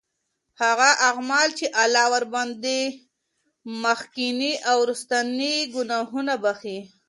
هغه أعمال چې الله ورباندي مخکيني او وروستنی ګناهونه بخښي